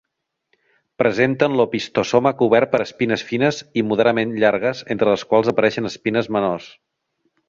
Presenten l'opistosoma cobert per espines fines i moderadament llargues entre les quals apareixen espines menors.